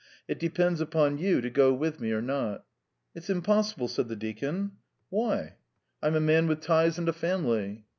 It depends upon you to go with me or not." "It's impossible," said the deacon. "Why?" "I'm a man with ties and a family."